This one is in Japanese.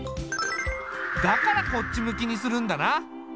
だからこっち向きにするんだな。